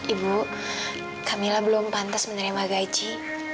ibu camilla belum pantas menerima gaji